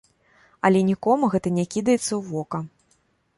Але нікому гэта не кідаецца ў вока.